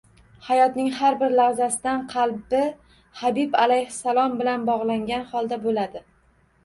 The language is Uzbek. Hayotining har bir lahzasida qalbi Habib alayhissalom bilan bog‘langan holda bo‘ladi